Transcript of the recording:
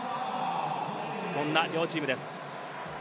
そんな両チームです。